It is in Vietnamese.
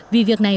vì việc này